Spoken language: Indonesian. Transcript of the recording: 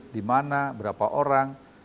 di mana berapa orang